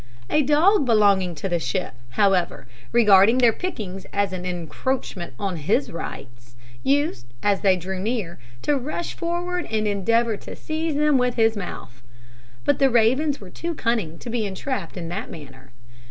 A dog belonging to the ship, however, regarding their pickings as an encroachment on his rights, used, as they drew near, to rush forward and endeavour to seize them with his mouth; but the ravens were too cunning to be entrapped in that manner.